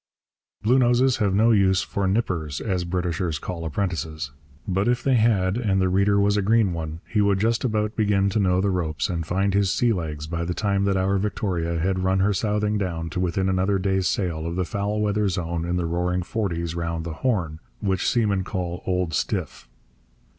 Bluenoses have no use for nippers, as Britishers call apprentices. But if they had, and the reader was a green one, he would just about begin to know the ropes and find his sea legs by the time that our Victoria had run her southing down to within another day's sail of the foul weather zone in the roaring forties round the Horn, which seamen call 'Old Stiff.'